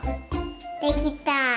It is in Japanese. できた！